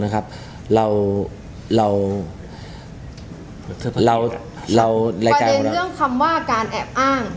นะครับเราประเด็นเรื่องคำว่าการแอบอ้าง